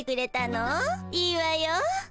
いいわよ。